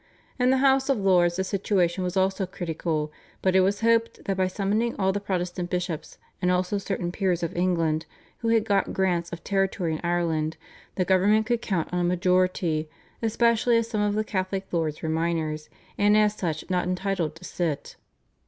In the House of Lords the situation was also critical, but it was hoped that by summoning all the Protestant bishops and also certain peers of England who had got grants of territory in Ireland the government could count on a majority, especially as some of the Catholic lords were minors, and as such not entitled to sit.